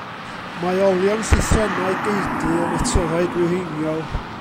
Mae olion llithrennau geudy yn y tyrau dwyreiniol.